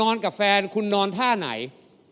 กับแฟนคุณนอนท่าไหน